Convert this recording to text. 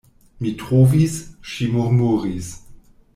Mi trovis, ŝi murmuris.